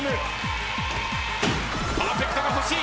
パーフェクトが欲しい。